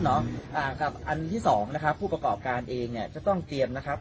อ่าครับอันที่สองนะครับผู้ประกอบการเองเนี่ยจะต้องเตรียมนะครับ